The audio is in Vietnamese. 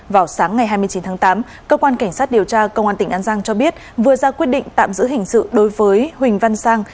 vào sáng ngày hai mươi chín tháng tám cơ quan cảnh sát điều tra công an tỉnh an giang cho biết vừa ra quyết định tạm giữ hình sự đối với huỳnh văn sang